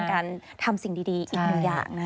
การทำสิ่งดีอีกหนึ่งอย่าง